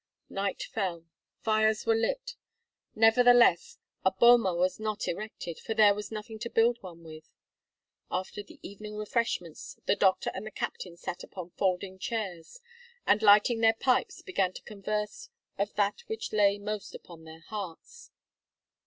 Night fell. Fires were lit. Nevertheless, a boma was not erected, for there was nothing to build one with. After the evening refreshments, the doctor and the captain sat upon folding chairs, and lighting their pipes, began to converse of that which lay most upon their hearts.